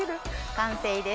完成です。